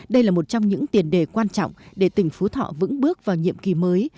đây là một trong những tiền đề quan trọng để tỉnh phú thọ vững bước vào nhiệm kỳ mới